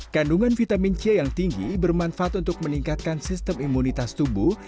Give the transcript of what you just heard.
kandungan vitamin c yang tinggi bermanfaat untuk meningkatkan sistem imunitas tubuh